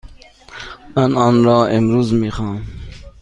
من آن را امروز می خواهم.